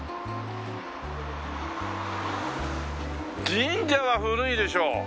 神社は古いでしょう。